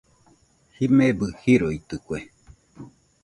Jimebɨ jiroitɨkue